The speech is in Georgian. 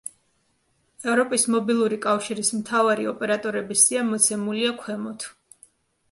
ევროპის მობილური კავშირის მთავარი ოპერატორების სია მოცემულია ქვემოთ.